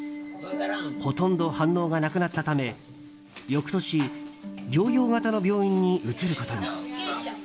ほとんど反応がなくなったため翌年、療養型の病院に移ることに。